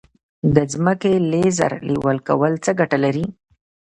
د ځمکې لیزر لیول کول څه ګټه لري؟